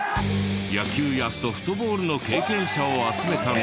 野球やソフトボールの経験者を集めたが。